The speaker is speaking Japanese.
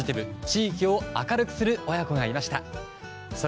地域をも明るくする親子がいました。